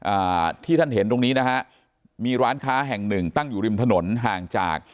อ่าที่ท่านเห็นตรงนี้นะฮะมีร้านค้าแห่งหนึ่งตั้งอยู่ริมถนนห่างจาก